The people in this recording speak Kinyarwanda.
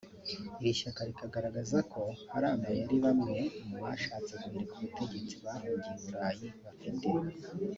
Iri shyaka rigaragaza ko hari amayeri bamwe mu bashatse guhirika ubutegetsi bahungiye i Burayi bafite